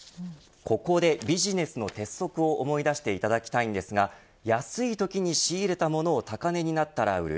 ここでビジネスの鉄則を思い出していただきたいのですが安いときに仕入れたものを高値になったら売る。